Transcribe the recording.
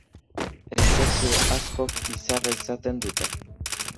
Espezie askok bizarra izaten dute.